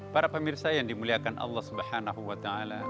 para pemirsa yang dimuliakan allah swt